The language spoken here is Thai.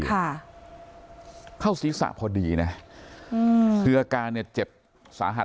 เข้าศิษย์ศาสตร์พอดีนะเดือการเนี่ยเจ็บสาหัส